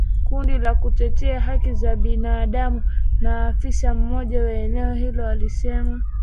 Kundi la kutetea haki za binadamu na afisa mmoja wa eneo hilo alisema